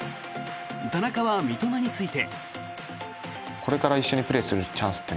田中は三笘について。